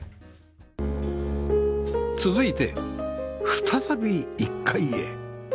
続いて再び１階へ